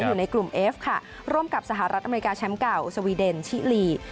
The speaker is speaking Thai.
อยู่ในกลุ่มเอฟค่ะร่วมกับสหรัฐอเมริกาแชมป์เก่าสวีเดนชิลี